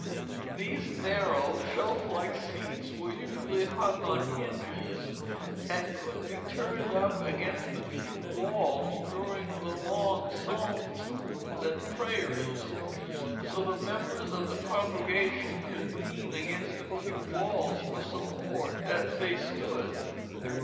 These narrow, shelf like seats were usually hung on hinges and could be turned up against the pew walls during the long psalm tunes and prayers; so the members of the congregation could lean against the pew walls for support as they stood.